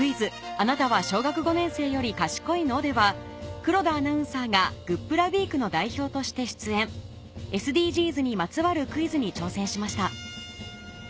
あなたは小学５年生より賢いの？』では黒田アナウンサーがグップラウィークの代表として出演ＳＤＧｓにまつわるクイズに挑戦しました